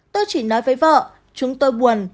tôi chỉ nói với vợ chúng tôi buồn suy sụp lắm